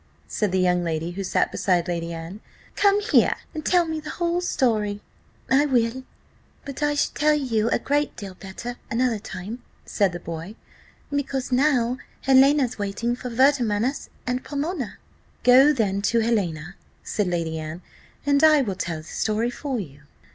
said the young lady who sat beside Lady Anne: "come here and tell me the whole story." "I will, but I should tell it you a great deal better another time," said the boy, "because now Helena's waiting for Vertumnus and Pomona." "Go then to Helena," said Lady Anne, "and I will tell the story for you."